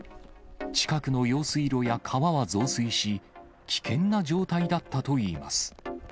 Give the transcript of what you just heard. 近くの用水路や川は増水し、危険な状態だったといいます。